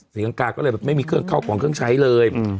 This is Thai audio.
ศรีลังกาก็เลยแบบไม่มีเครื่องเข้าของเครื่องใช้เลย